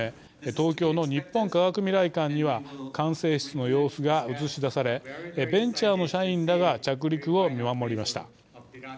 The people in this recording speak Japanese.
東京の日本科学未来館には管制室の様子が映し出されベンチャーの社員らが着陸を見守りました。